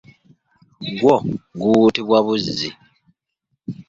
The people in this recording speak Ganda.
Gwo guwuutibwa buzzi.